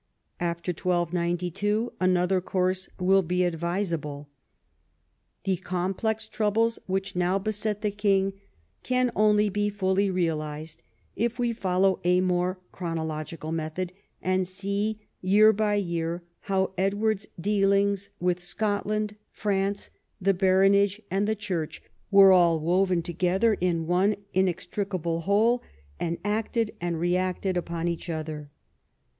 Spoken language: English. After 1292 another course will be advisable. The complex troubles which now beset the king can only be fully realised if we follow a more chronological method, and see year by year how Edward's dealings with Scotland, France, the baronage, and the Church were all woven together in one inextric able whole and acted and reacted upon each other.